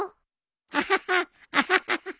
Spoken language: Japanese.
アハハアハハハハ。